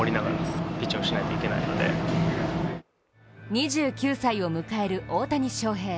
２９歳を迎える大谷翔平